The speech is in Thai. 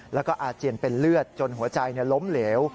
แล้วก็อาเจียนเป็นเลือดจนหัวใจล้มเหลว